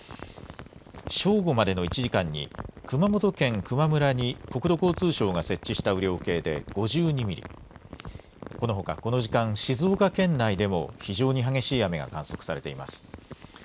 正午までの１時間に熊本県球磨村に国土交通省が設置した雨量計で５２ミリ、このほかこの時間、静岡県内でも非常に激しい雨が観測されています。